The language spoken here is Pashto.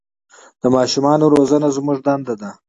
د ماشومان روزنه زموږ دنده ده.